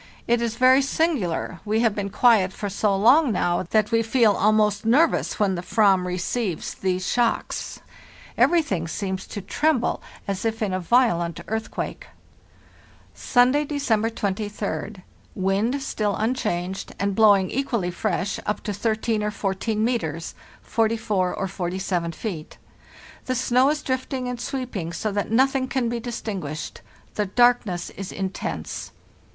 It is very singular, we have been quiet for so long now that we feel almost nervous when the Ayam receives those shocks; every thing seems to tremble as if in a violent earthquake. "Sunday, December 23d. Wind still unchanged, and 30 HARLTHESL NOKLET blowing equally fresh, up to 13 or 14 metres (44 or 47 feet). The snow is drifting and sweeping so that noth ing can be distinguished; the darkness is intense.